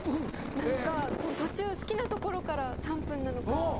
なのか途中好きなところから３分なのか。